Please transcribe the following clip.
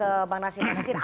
lebih baik sih